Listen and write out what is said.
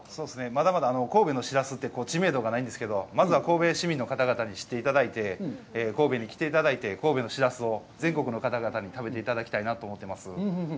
まだまだ神戸のしらすって知名度がないんですけど、まずは神戸市民の方々に知っていただいて、神戸に来ていただいて、神戸のしらすを全国の方々に食べていただきたいなと思ってます。